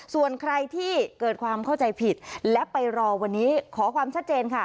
ส่วนใครที่เกิดความเข้าใจผิดและไปรอวันนี้ขอความชัดเจนค่ะ